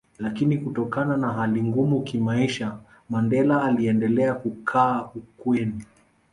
Lakini Kutokana na hali ngumu kimaisha Mandela aliendelea kukaa ukweni